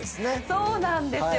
そうなんですよ。